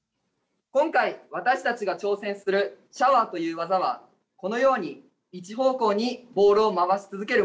今回私たちが挑戦する「シャワー」という技はこのように一方向にボールを回し続けるものです。